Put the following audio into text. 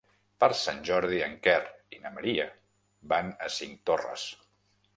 Per Sant Jordi en Quer i na Maria van a Cinctorres.